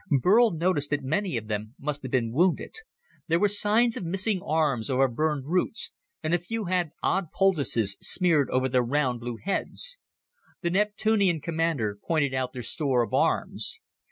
Burl noticed that many of them must have been wounded there were signs of missing arms or of burned roots, and a few had odd poultices smeared over their round, blue heads. The Neptunian commander pointed out their store of arms.